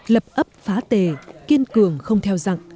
lập ấp phá tề kiên cường không theo dặn